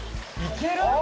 いける？